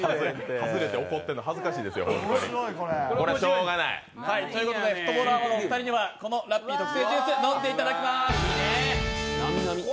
外れて怒ってるの恥ずかしいですよ。ということでフットボールアワーのお二人にはラッピー特製ラッピージュースを飲んでいただきます。